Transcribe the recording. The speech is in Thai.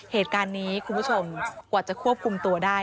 เหตุการณ์นี้คุณผู้ชมกว่าจะควบคุมตัวได้